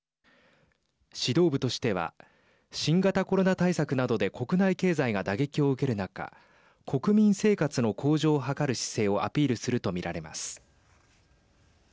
指導部としては新型コロナ対策などで国内経済が打撃を受ける中国民生活の向上を図る姿勢をアピールすると見られます。